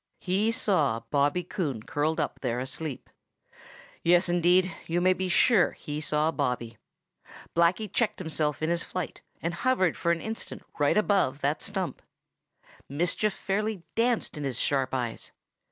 He saw Bobby Coon curled up there asleep. Yes, indeed, you may be sure he saw Bobby. Blacky checked himself in his flight and hovered for an instant right above that stump. Mischief fairly danced in his sharp eyes.